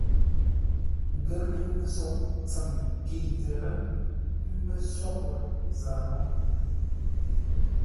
Ngər ŋuu-məsoŋ tsəm nkəitə́ mbə́ soghʼə Zaa-Môu.